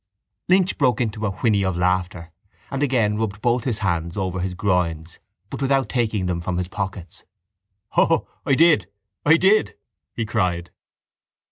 Lynch broke again into a whinny of laughter and again rubbed both his hands over his groins but without taking them from his pockets. —O, I did! I did! he cried.